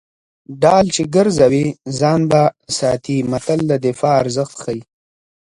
ډال چې ګرځوي ځان به ساتي متل د دفاع ارزښت ښيي